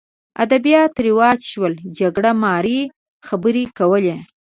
ادبیات رواج شول جګړه مارۍ خبرې کولې